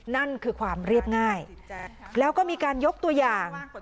นั่นคือความเรียบง่ายแล้วก็มีการยกตัวอย่าง